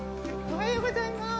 おはようございます。